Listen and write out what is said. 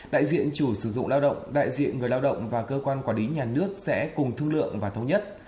đại diện chủ sử dụng lao động đại diện người lao động và cơ quan quản lý nhà nước sẽ cùng thương lượng và thống nhất